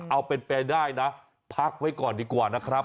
เอาเป็นไปได้นะพักไว้ก่อนดีกว่านะครับ